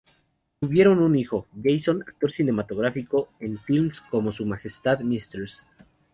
Tuvieron un hijo, Jason, actor cinematográfico en filmes como "Su majestad Mrs.